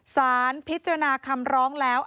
สารพิจารณาคำร้องแล้ว